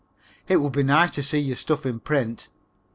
It would be nice to see your stuff in print.